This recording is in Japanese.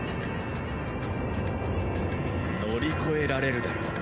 乗り越えられるだろう？